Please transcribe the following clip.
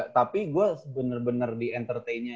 tapi gue bener bener di entertainnya